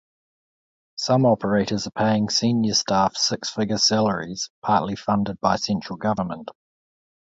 Some operators are paying senior staff six-figure salaries, partly funded by central government.